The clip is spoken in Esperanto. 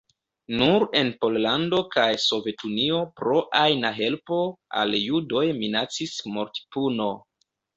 Nur en Pollando kaj Sovetunio pro ajna helpo al judoj minacis mortpuno.